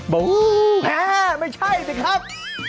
บอกแม่ไม่ใช่สิครับ